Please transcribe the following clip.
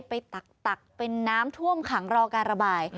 ตักเป็นน้ำท่วมขังรอการระบาย